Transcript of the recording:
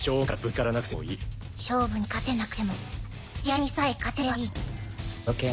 勝負に勝てなくても試合にさえ勝てればいい。